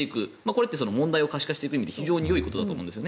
これって問題を可視化していくうえで非常によいことだと思うんです。